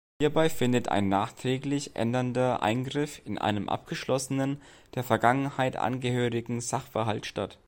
Hierbei findet ein nachträglich ändernder Eingriff in einen abgeschlossenen, der Vergangenheit angehörigen Sachverhalt statt.